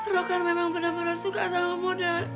roh kan memang bener bener suka sama moda